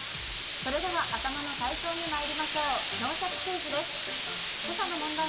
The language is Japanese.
それでは頭の体操にまいりましょう。